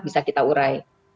bisa kita urai